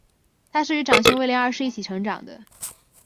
她是与长兄威廉二世一起成长的。